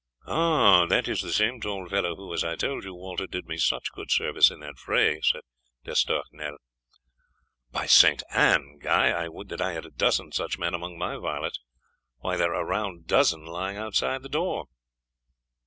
"That is the same tall fellow who, as I told you, Walter, did me such good service in that fray," said D'Estournel. "By Saint Anne, Guy, I would that I had a dozen such men among my varlets. Why, there are a round dozen lying outside the door."